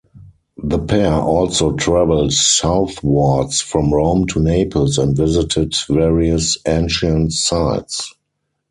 The pair also travelled southwards from Rome to Naples and visited various ancient sites.